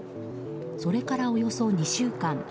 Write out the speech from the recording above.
それから、およそ２週間。